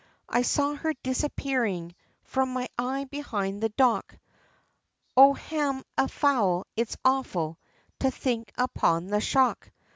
I saw her disappearing, from my eye behind the dock, O, ham an fowl! it's awful, to think upon the shock.